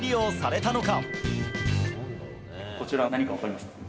こちら、何か分かりますか？